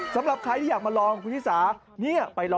อ้อแล้วราคาแผ่นละ๒๐บาท